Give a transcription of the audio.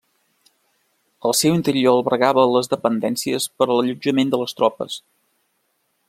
Al seu interior albergava les dependències per a l'allotjament de les tropes.